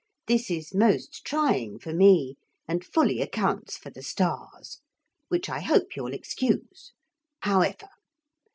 This is most trying for me, and fully accounts for the stars. Which I hope you'll excuse. However.